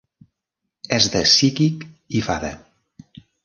És de psíquic i fada.